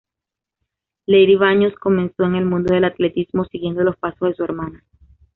Leire Baños comenzó en el mundo del atletismo siguiendo los pasos de su hermana.